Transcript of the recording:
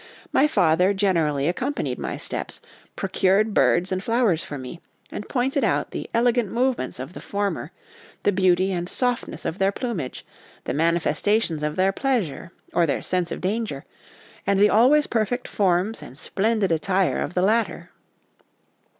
... My father generally accompanied my steps, procured birds and flowers for me, and pointed out the elegant move ments of the former, the beauty and softness of their plumage, the manifestations of their pleasure, or their sense of danger, and the always perfect forms and splendid attire of the latter.